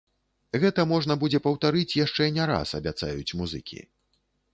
Гэта можна будзе паўтарыць яшчэ не раз, абяцаюць музыкі.